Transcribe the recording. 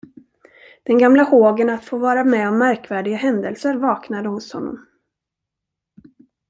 Den gamla hågen att få vara med om märkvärdiga händelser vaknade hos honom.